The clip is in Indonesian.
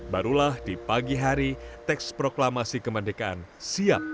barulah di pagi hari teks proklamasi kemerdekaan siap